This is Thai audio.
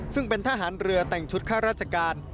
ซึ่งเป็นทหารเรือแต่งชุดข้าราชการ